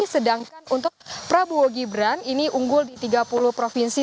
sedangkan untuk prabowo gibran ini unggul di tiga puluh provinsi